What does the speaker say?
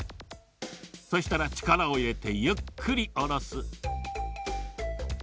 そしたらちからをいれてゆっくりおろす。